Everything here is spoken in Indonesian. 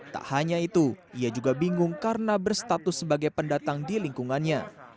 tak hanya itu ia juga bingung karena berstatus sebagai pendatang di lingkungannya